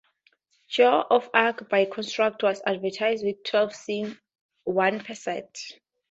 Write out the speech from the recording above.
"Joan of Arc", by contrast, was advertised with twelve scenes, one per set.